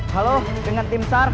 halo dengan tim sar